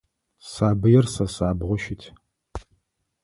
Сабыир сэ сабгъу щыт.